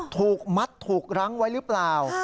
ถูกมัดถูกรั้งไว้หรือเปล่า